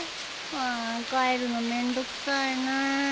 あ帰るのめんどくさいな。